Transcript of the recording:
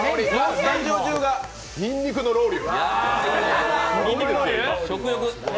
スタジオ中がにんにくのロウリュ。